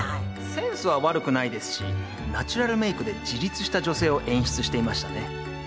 センスは悪くないですしナチュラルメイクで自立した女性を演出していましたね。